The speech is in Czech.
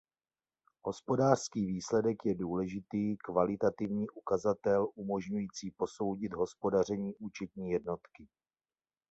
Hospodářský výsledek je důležitý kvalitativní ukazatel umožňující posoudit hospodaření účetní jednotky.